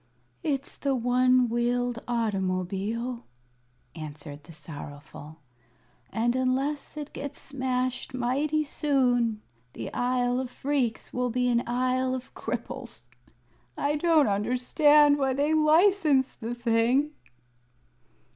"It's the one wheeled automobile," answered the Sorrowful, "and unless it gets smashed mighty soon the Isle of Phreex will be an Isle of Cripples. I don't understand why they license the thing."